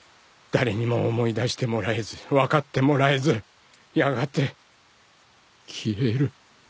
誰にも思い出してもらえず分かってもらえずやがて消える。